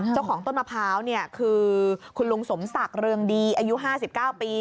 เจ้าของต้นมะพร้าวคือคุณลุงสมศักดิ์เรืองดีอายุ๕๙ปี